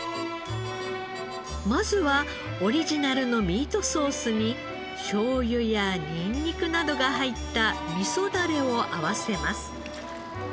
まずはオリジナルのミートソースにしょうゆやニンニクなどが入った味噌だれを合わせます。